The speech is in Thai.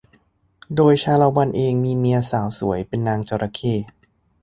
โดยชาละวันเองมีเมียสาวสวยเป็นนางจระเข้